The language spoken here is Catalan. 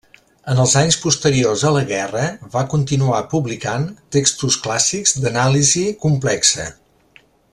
En els anys posteriors a la guerra va continuar publicant textos clàssics d'Anàlisi complexa.